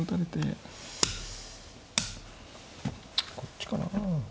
こっちかな。